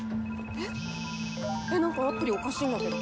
えっなんかアプリおかしいんだけど。